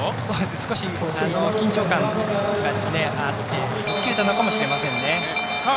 少し緊張感があって吹っ切れたのかもしれないですね。